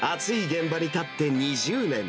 現場に立って２０年。